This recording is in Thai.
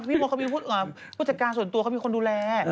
พี่มดเขาคือบุจจัดการส่วนตัวเขาเป็นคนดูแล